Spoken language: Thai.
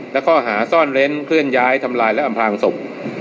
และข้อหาซ่อนเล้นเคลื่อนย้ายทำลายและอำพลางศพ